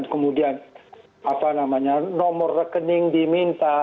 kemudian nomor rekening diminta